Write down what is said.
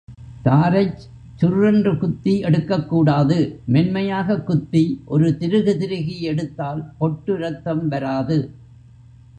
தாரைச் sure என்று குத்தி எடுக்கக்கூடாது மென்மையாகக் குத்தி ஒரு திருகு திருகி எடுத்தால் பொட்டு ரத்தம் வராது.